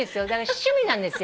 趣味なんですよ。